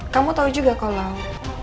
kamu tau juga kalau